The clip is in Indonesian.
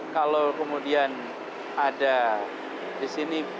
kalau kemudian ada di sini